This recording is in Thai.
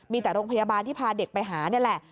มีแต่โรงพยาบาลที่พาเด็กไปหานี่แหละ